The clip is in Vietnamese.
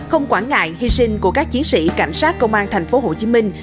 không quản ngại hy sinh của các chiến sĩ cảnh sát công an thành phố hồ chí minh